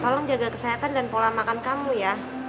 tolong jaga kesehatan dan pola makan kamu ya